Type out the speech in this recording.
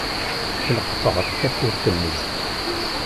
Cleqfeɣ-d takurt-nni.